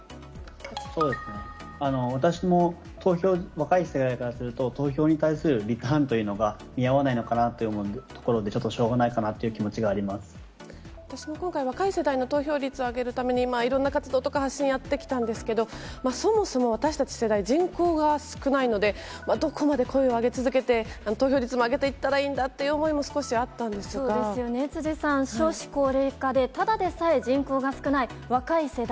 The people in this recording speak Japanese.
私も投票、若い世代からすると投票に対するリターンというのが、見合わないのかなというところで、ちょっとしょうがないかなという気持ちが私も今回、若い世代の投票率上げるために今、いろんな活動とか発信やってきたんですけど、そもそも私たち世代、人口が少ないので、どこまで声を上げ続けて投票率も上げていったらいいんだという思そうですよね、辻さん、少子高齢化でただでさえ、人口が少ない若い世代。